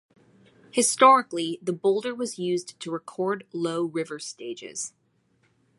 Historically, the boulder was used to record low river stages.